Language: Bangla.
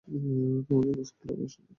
তোমাদের স্কুলটাও বেশ সুন্দর!